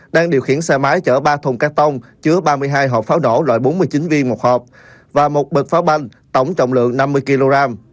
đang điều khiển xe máy chở ba thùng cắt tông chứa ba mươi hai hộp pháo nổ loại bốn mươi chín viên một hộp và một bật pháo banh tổng trọng lượng năm mươi kg